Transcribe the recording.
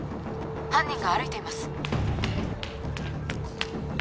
犯人が歩いています